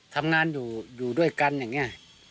ทำงานอยู่ด้วยกันอย่างนี้